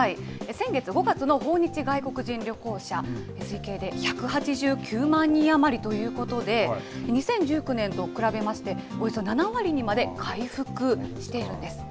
先月・５月の訪日外国人旅行者、推計で１８９万人余りということで、２０１９年と比べまして、およそ７割にまで回復しているんです。